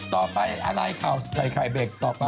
ต่อไปอะไรข่าวใส่ไข่เบรกต่อไป